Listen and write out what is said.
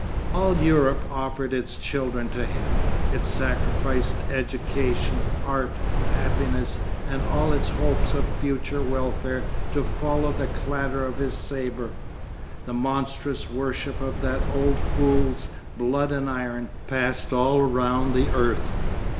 'All Europe offered its children to him, it sacrificed education, art, happiness and all its hopes of future welfare to follow the clatter of his sabre. The monstrous worship of that old fool's "blood and iron" passed all round the earth.